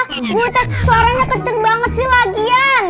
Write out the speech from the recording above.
ini suaranya kenceng banget sih lagian